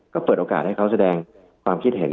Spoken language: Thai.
ก็เปิดโอกาสให้เขาแสดงความคิดเห็น